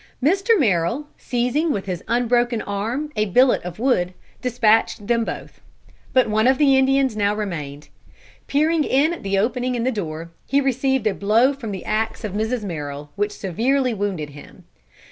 Mr. Merrill, seizing with his unbroken arm a billet of wood, despatched them both. But one of the Indians now remained. Peering in at the opening in the door he received a blow from the ax of Mrs. Merrill which severely wounded him.